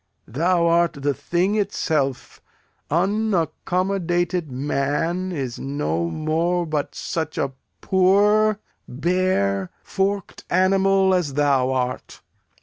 Thou art the thing itself; unaccommodated man is no more but such a poor, bare, forked animal as thou art.